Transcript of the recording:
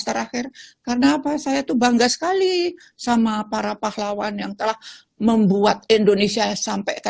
terakhir karena apa saya tuh bangga sekali sama para pahlawan yang telah membuat indonesia sampai